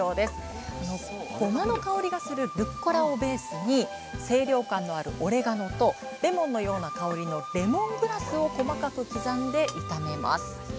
ゴマの香りがするルッコラをベースに清涼感のあるオレガノとレモンのような香りのレモングラスを細かく刻んで炒めます。